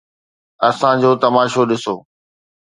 اسان جو تماشو ڏسو.